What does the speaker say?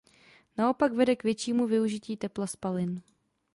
Naopak vede k většímu využití tepla spalin.